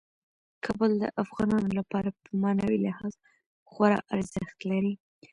کابل د افغانانو لپاره په معنوي لحاظ خورا ارزښت لري.